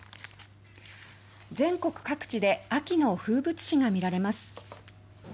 全国各地で秋の風物詩がみられます。